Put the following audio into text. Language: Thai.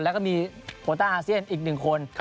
แล้วก็มีโคต้าอาเซียนอีก๑คน